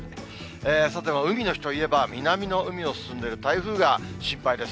さて、海の日といえば、南の海を進んでる台風が心配です。